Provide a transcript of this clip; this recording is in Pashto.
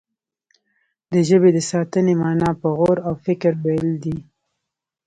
د ژبې د ساتنې معنا په غور او فکر ويل دي.